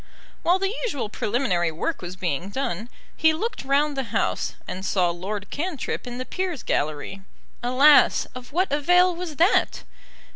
While the usual preliminary work was being done, he looked round the House, and saw Lord Cantrip in the Peers' gallery. Alas! of what avail was that?